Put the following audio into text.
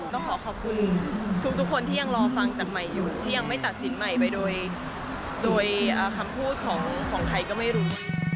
ต้องขอขอบคุณทุกคนที่ยังรอฟังจากใหม่อยู่ที่ยังไม่ตัดสินใหม่ไปโดยคำพูดของใครก็ไม่รู้